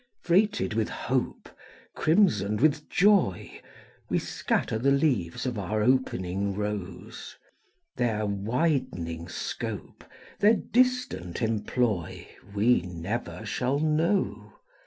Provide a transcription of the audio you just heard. Freighted with hope, Crimsoned with joy, We scatter the leaves of our opening rose; Their widening scope, Their distant employ, We never shall know.